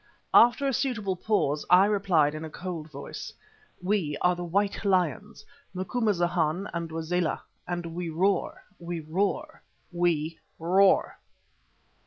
After a suitable pause I replied in a cold voice: "We are the white lions, Macumazana and Wazela, and we roar! we roar! we roar!"